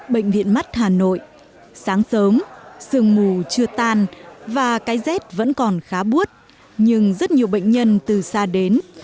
bệnh viện mắt hà nội sáng sớm sương mù chưa tan và cái rét vẫn còn khá bút nhưng rất nhiều bệnh nhân từ xa đến